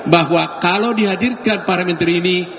bahwa kalau dihadirkan para menteri ini